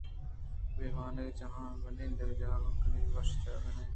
اے وانگجاہ پہ نندگ ءُجاگہ کنگ ءَ وشیں جاگہے نہ اَت